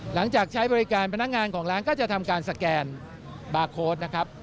หลังจากใช้บริการพนักงานของร้านก็จะทำการสแกนบาร์โค้ดนะครับ